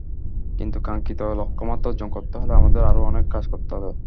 কিন্তু কাঙ্ক্ষিত লক্ষ্যমাত্রা অর্জন করতে হলে আমাদের আরও অনেক কাজ করতে হবে।